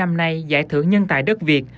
năm nay giải thưởng nhân tại đất việt